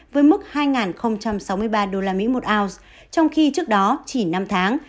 với mức hai sáu mươi ba usd một ounce trong khi trước đó chỉ năm tháng